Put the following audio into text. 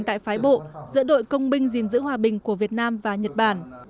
tại phái bộ giữa đội công binh gìn giữ hòa bình của việt nam và nhật bản